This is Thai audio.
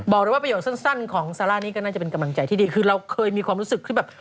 บอกเลยว่าประโยคสั้นของซาร่านี่ก็น่าจะเป็นกำลังใจที่ดีคือเราเคยมีความรู้สึกที่แบบ